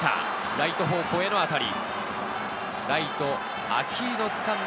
ライト方向への当たり。